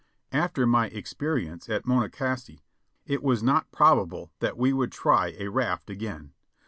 After my experience at Monocacy it was not probable that we would try a raft again.